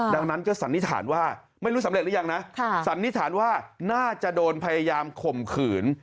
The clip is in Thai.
ดังนั้นก็สันนิษฐานว่าไม่รู้สำเร็จหรือยังนะสันนิษฐานว่าน่าจะโดนพยายามข่มขืน